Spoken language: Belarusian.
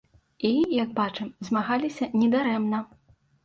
І, як бачым, змагаліся не дарэмна.